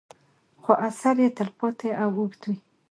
خو اثر یې تل پاتې او اوږد وي.